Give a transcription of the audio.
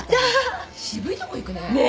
渋いとこいくね。